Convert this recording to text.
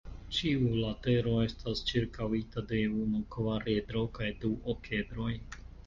Ĉiu latero estas ĉirkaŭita de unu kvaredro kaj du okedroj.